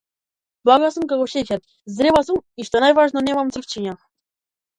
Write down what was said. Блага сум како шеќер, зрела сум и што е најважно немам црвчиња.